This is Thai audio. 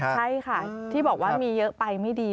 ใช่ค่ะที่บอกว่ามีเยอะไปไม่ดี